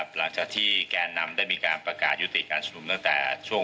หลังจากที่แก่นำได้มีการประกาศยุติการชุมนุมตั้งแต่ช่วง